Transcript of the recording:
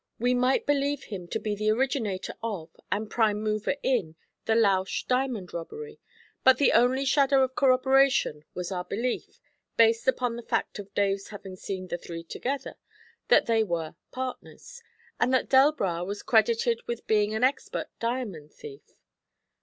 We might believe him to be the originator of, and prime mover in, the Lausch diamond robbery, but the only shadow of corroboration was our belief based upon the fact of Dave's having seen the three together that they were 'partners,' and that Delbras was credited with being an expert diamond thief.